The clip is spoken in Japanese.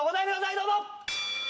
どうぞ！